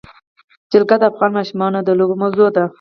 جلګه د افغان ماشومانو د لوبو موضوع ده.